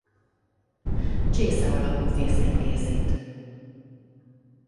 Csésze alakú fészket készít.